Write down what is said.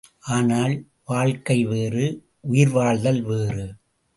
ஆனால் வாழ்க்கை வேறு உயிர் வாழ்தல் வேறு.